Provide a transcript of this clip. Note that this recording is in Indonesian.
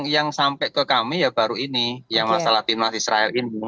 yang sampai ke kami ya baru ini yang masalah timnas israel ini